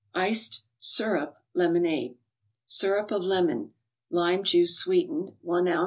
3!cct> (^rntp) Lemonade. Syrup of lemon (lime juice sweetened), i oz.